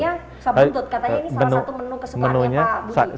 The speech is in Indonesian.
sabuntut katanya ini salah satu menu kesukaannya pak budi